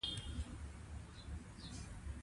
استاد بينوا د ملي ارزښتونو ژغورنه وکړه.